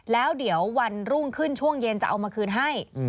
แล้วเดี๋ยววันรุ่งขึ้นช่วงเย็นจะเอามาคืนให้